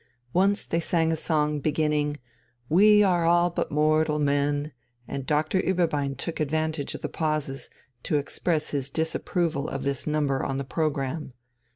Once they sang a song beginning: "We are all but mortal men," and Doctor Ueberbein took advantage of the pauses to express his disapproval of this number on the programme.